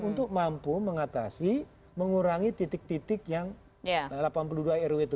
untuk mampu mengatasi mengurangi titik titik yang delapan puluh dua rw itu